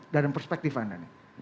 dari perspektif anda nih